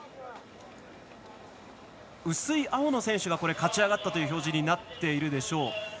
薄い青の選手が勝ち上がったという表示になっているでしょう。